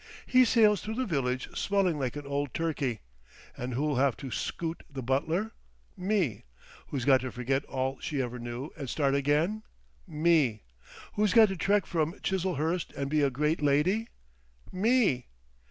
He sails through the village swelling like an old turkey. And who'll have to scoot the butler? Me! Who's got to forget all she ever knew and start again? Me! Who's got to trek from Chiselhurst and be a great lady? Me!